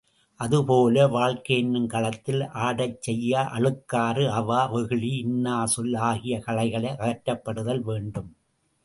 அதுபோல வாழ்க்கையெனும் களத்தில் ஆடச் செய்ய அழுக்காறு, அவா, வெகுளி, இன்னாச்சொல் ஆகிய களைகள் அகற்றப்படுதல் வேண்டும்.